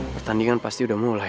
pertandingan pasti udah mulai